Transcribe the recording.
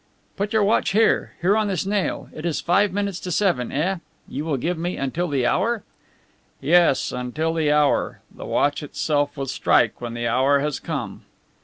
"Put your watch here. Here on this nail. It is five minutes to seven, eh? You will give me until the hour?" "Yes, until the hour. The watch itself will strike when the hour has come."